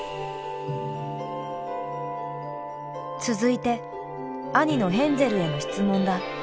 続いて兄のヘンゼルへの質問だ。